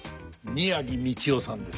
宮城道雄さんです。